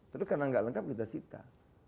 terus karena enggak lengkap kita cipta